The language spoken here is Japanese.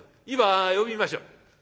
今呼びましょう。